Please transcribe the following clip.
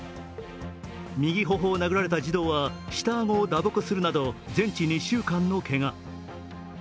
右頬を殴られた児童は下顎を打撲するなど全治２週間のけが。